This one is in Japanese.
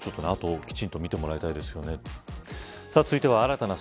あとをきちんと見てもらいたいですね。